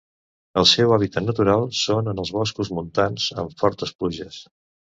El seu hàbitat natural són en els boscos montans amb fortes pluges.